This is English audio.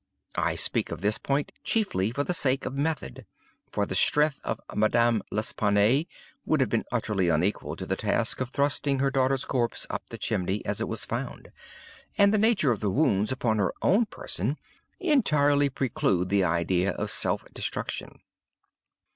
I speak of this point chiefly for the sake of method; for the strength of Madame L'Espanaye would have been utterly unequal to the task of thrusting her daughter's corpse up the chimney as it was found; and the nature of the wounds upon her own person entirely preclude the idea of self destruction.